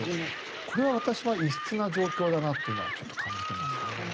これは私は異質な状況だなっていうのはちょっと感じてますね。